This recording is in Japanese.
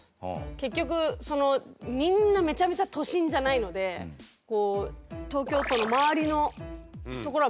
結局そのみんなめちゃめちゃ都心じゃないので東京都の周りの所は